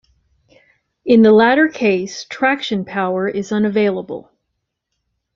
In the latter case, traction power is unavailable.